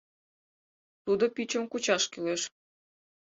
— Тудо пӱчым кучаш кӱлеш.